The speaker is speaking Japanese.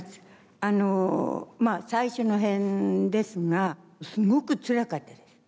あのまあ最初の辺ですがすごくつらかったです。